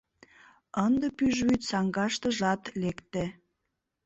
Ынде пӱжвӱд саҥгаштыжат лекте.